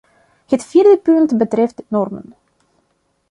Het vierde punt betreft normen.